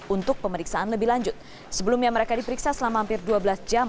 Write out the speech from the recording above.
untuk pemeriksaan lebih lanjut sebelumnya mereka diperiksa selama hampir dua belas jam